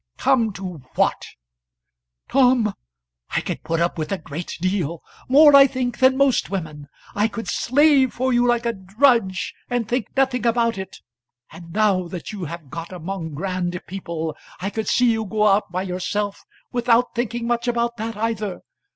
"Come to what?" "Tom, I could put up with a great deal, more I think than most women; I could slave for you like a drudge, and think nothing about it. And now that you have got among grand people, I could see you go out by yourself without thinking much about that either.